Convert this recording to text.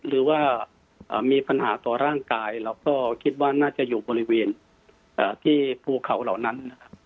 หรือว่ามีปัญหาต่อร่างกายเราก็คิดว่าน่าจะอยู่บริเวณที่ภูเขาเหล่านั้นนะครับ